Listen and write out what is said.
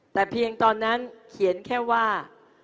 แต่เพียงตอนนั้นเขียนแค่ว่า